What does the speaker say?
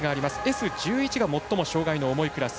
Ｓ１１が最も障がいの重いクラス。